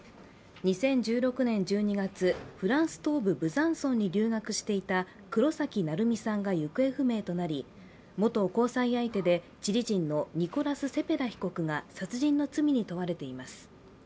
２０１６年１２月、フランス東部ブザンソンに留学していた黒崎愛海さんが行方不明となり元交際相手でチリ人のニコラス・セペダ被告が殺人の罪に問われています。